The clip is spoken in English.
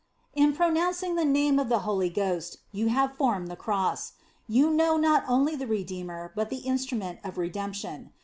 In pronouncing the name of the Holy Ghost, you have formed the Cross. You know not only the Redeemer, but the instru ment of Redemption.